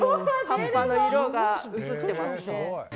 葉っぱの色が移ってますね。